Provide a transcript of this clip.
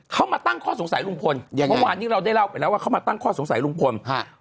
เขามาตั้งข้อสงสัยลุงพลยังไงเมื่อวานนี้เราได้เล่าไปแล้วว่าเขามาตั้งข้อสงสัยลุงพลฮะ